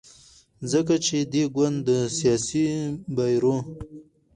ځکه چې دې ګوند د سیاسي بیرو